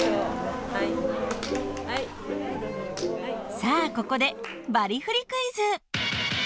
さあここでバリフリクイズ！